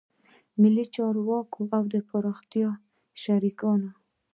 ملي چارواکو او پراختیایي شریکانو